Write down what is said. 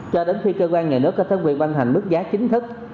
cho đến khi cơ quan nghề nước có thẩm quyền ban hành mức giá chính thức